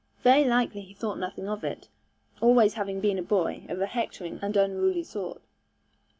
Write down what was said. Very likely he thought nothing of it, always having been a boy of a hectoring and unruly sort.